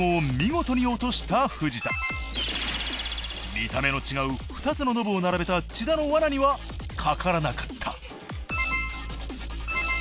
見た目の違う２つのノブを並べた千田のわなにはかからなかった。